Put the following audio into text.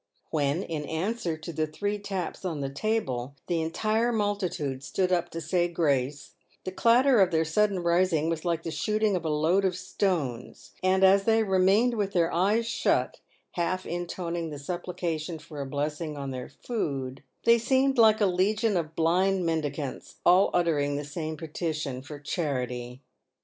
When, in answer to the three taps on the table, the entire multi tude stood up to say " grace," the clatter of their sudden rising was like the shooting of a load of stones, and as they remained with their eyes shut, half intoning the supplication for a blessing on their food, they seemed like a legion of blind mendicants, all uttering the jaame petition for charity.